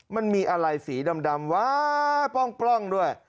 มันมีอาลัยสีดำว้าวป้องด้วย